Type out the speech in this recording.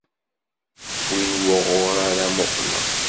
Win wuɣur ara muqleɣ.